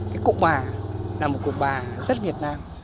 cái cụ bà là một cụ bà rất việt nam